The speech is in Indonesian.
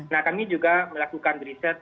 nah kami juga melakukan riset